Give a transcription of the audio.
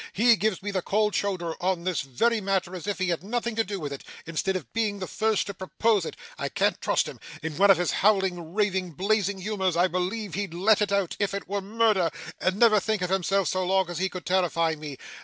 He gives me the cold shoulder on this very matter as if he had had nothing to do with it, instead of being the first to propose it. I can't trust him. In one of his howling, raving, blazing humours, I believe he'd let it out, if it was murder, and never think of himself so long as he could terrify me.